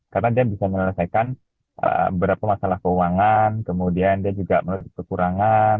karena dia bisa menyelesaikan beberapa masalah keuangan kemudian dia juga menurut kekurangan